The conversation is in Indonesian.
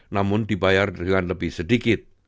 namun dibayar dengan lebih sedikit